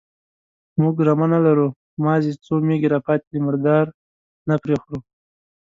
_موږ رمه نه لرو، مازې څو مېږې راپاتې دي، مردار نه پرې خورو.